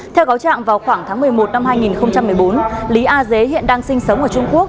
theo cáo trạng vào khoảng tháng một mươi một năm hai nghìn một mươi bốn lý a dế hiện đang sinh sống ở trung quốc